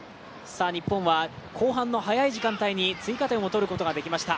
日本は後半の早い時間帯に追加点を取ることができました。